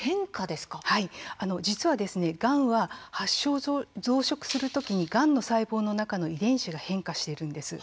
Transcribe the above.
実は、がんは発症、増殖する時にがんの細胞の中の遺伝子が変化しているんです。